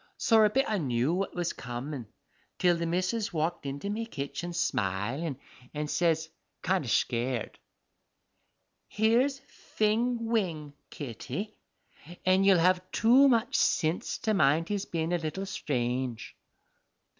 sorra a bit I knew what was comin' till the missus walked into me kitchen smilin', and says, kind o' schared, "Here's Fing Wing, Kitty, an' you'll have too much sinse to mind his bein' a little strange."